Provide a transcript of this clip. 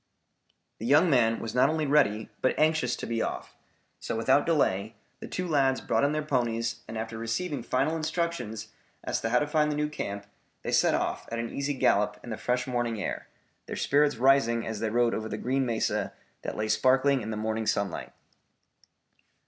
The young man was not only ready, but anxious to be off, so without delay, the two lads brought in their ponies and after receiving final instructions as to how to find the new camp, they set off at an easy gallop in the fresh morning air, their spirits rising as they rode over the green mesa that lay sparkling in the morning sunlight.